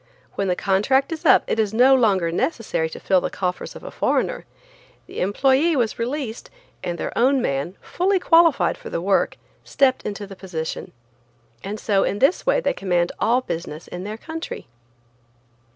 When the contract is up it is no longer necessary to fill the coffers of a foreigner. The employé was released, and their own man, fully qualified for the work, stepped into the position. And so in this way they command all business in their country.